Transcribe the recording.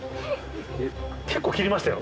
結構きりましたよ。